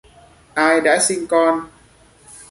Ai đã sinh con